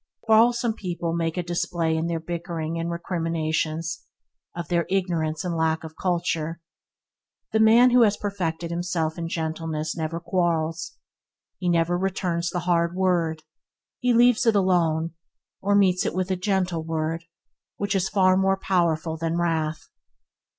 Quarrelsome people make a display in their bickering and recriminations – of their ignorance and lack of culture. The man who has perfected himself in gentleness never quarrels. He never returns the hard word; he leaves it alone, or meets it with a gentle word which is far more powerful than wrath.